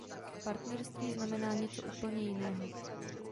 Partnerství znamená něco úplně jiného.